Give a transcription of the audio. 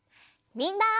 みんな！